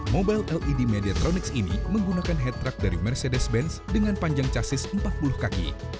mobile led mediatronics ini menggunakan head truck dari mercedes benz dengan panjang casis empat puluh kaki